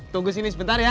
tunggu sini sebentar ya